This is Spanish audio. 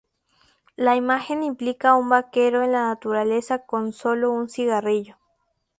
La imagen implica a un vaquero en la naturaleza con sólo un cigarrillo.